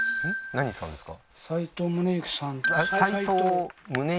何さんですか？